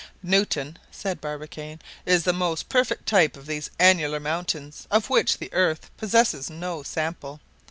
"Newton," said Barbicane, "is the most perfect type of these annular mountains, of which the earth possesses no sample.